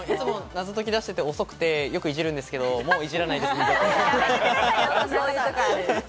謎解き出してて遅いんで、いじるんですけど、もう、いじらないです。